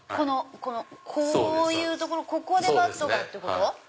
こういうところここでバットがってこと。